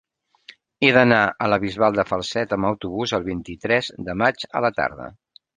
He d'anar a la Bisbal de Falset amb autobús el vint-i-tres de maig a la tarda.